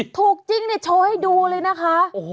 ถูกจริงโชว์ให้ดูเลยนะคะ